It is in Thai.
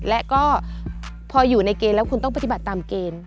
และก็พออยู่ในเกณฑ์แล้วคุณต้องปฏิบัติตามเกณฑ์